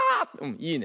いいね。